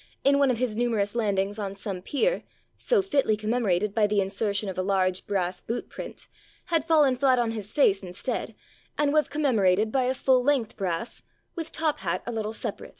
in one of his numer ous landings on some pier (so fitly commemorated by the insertion of a large brass boot print), had fallen flat on his face instead, and was commemor ated by a full length brass, with top hat a little separate.